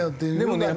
でもね